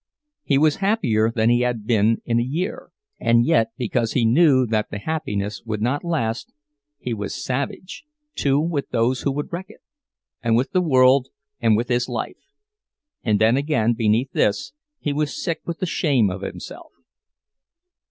He was happier than he had been in a year; and yet, because he knew that the happiness would not last, he was savage, too with those who would wreck it, and with the world, and with his life; and then again, beneath this, he was sick with the shame of himself.